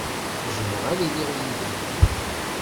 Jjmeɣ ad iliɣ yid-m.